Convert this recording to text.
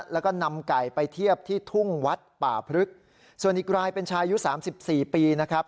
แล้วก็นำไก่ไปเทียบที่ทุ่งวัดป่าพฤษส่วนอีกรายเป็นชายอยู่๓๔ปีนะครับ